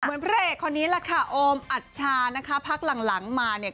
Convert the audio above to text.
พระเอกคนนี้แหละค่ะโอมอัชชานะคะพักหลังหลังมาเนี่ย